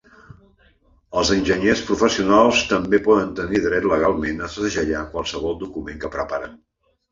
Els enginyers professionals també poden tenir dret legalment a segellar qualsevol document que preparen.